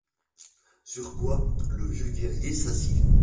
Sur quoi, le vieux guerrier s’assied.